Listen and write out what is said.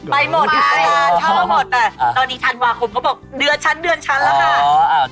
ไปหมดชอบมาหมดตอนนี้ธันวาคมเขาบอกเดือนชั้นแล้วกัน